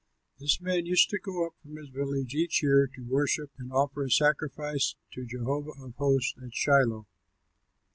This man used to go up from his village each year to worship and offer a sacrifice to Jehovah of hosts at Shiloh.